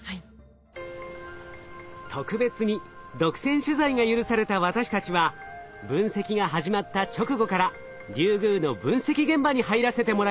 特別に独占取材が許された私たちは分析が始まった直後からリュウグウの分析現場に入らせてもらいました。